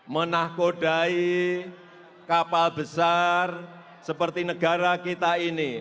menakodai kapal besar seperti negara kita ini